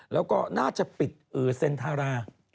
แล้วก็น่าจะปิดเซ็นทารา